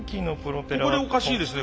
ここでおかしいですね